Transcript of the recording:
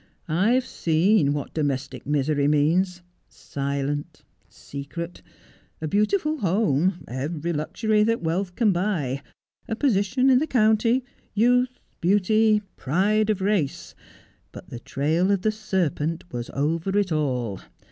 I've seen what domestic misery means — silent — secret. A beautiful home — every luxury that wealth can buy — a position in the county — youth — beauty — pride of race. But the trail of the serpent was over it all.